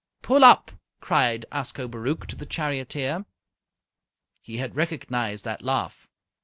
"Pull up!" cried Ascobaruch to the charioteer. He had recognized that laugh.